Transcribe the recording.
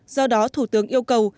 do đó thủ tướng yêu cầu